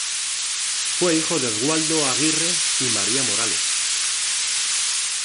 Fue hijo de Oswaldo Aguirre y María Morales.